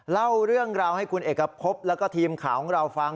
เล่าเรื่องราวให้คุณเอกพบแล้วก็ทีมข่าวของเราฟัง